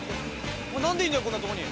お前何でいんだよこんなとこに。